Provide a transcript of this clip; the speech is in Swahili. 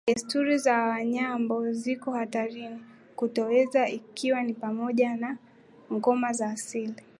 Desturi za Wanyambo ziko hatarini kutoweka ikiwa ni pamoja na ngoma za asili